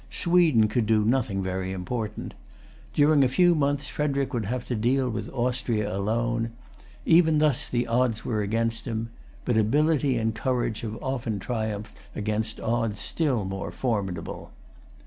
Sweden could do nothing very important. During a few months Frederic would have to deal with Austria alone. Even thus the odds were against him. But ability and courage have often triumphed against odds still more formidable.